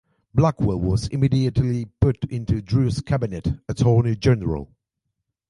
Blackwell was immediately put into Drew's cabinet as Attorney General.